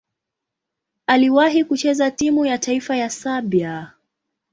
Aliwahi kucheza timu ya taifa ya Serbia.